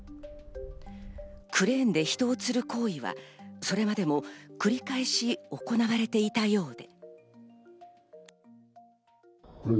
クレーンで人を吊る行為はそれまでも繰り返し行われていたようで。